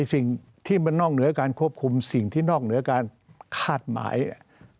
สิ่งที่มันนอกเหนือการควบคุมสิ่งที่นอกเหนือการคาดหมายเนี่ย